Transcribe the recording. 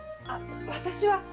私は。